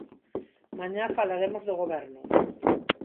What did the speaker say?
Mañá falaremos do Goberno.